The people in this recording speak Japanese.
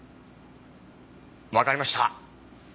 わかりました。